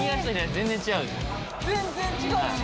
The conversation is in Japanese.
全然違うし。